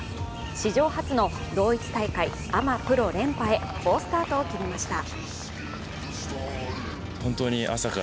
史上初の同一大会アマ・プロ連覇へ好スタートを切りました。